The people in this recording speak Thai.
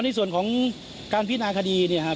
อ๋อในส่วนของการพิจารณาคดีเนี่ยครับ